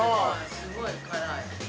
◆すごい辛い。